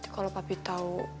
kalau papi tahu